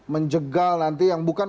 menjegal nanti yang bukan